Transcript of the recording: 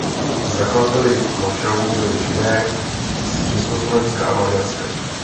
Zakladateli mošavu byli Židé z Československa a Maďarska.